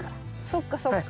そっかそっか。